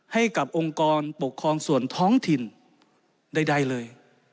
ให้กับองค์กรปกครองส่วนท้องถิ่นใดเลย